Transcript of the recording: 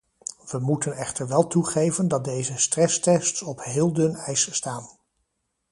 We moeten echter wel toegeven dat deze stresstests op heel dun ijs staan.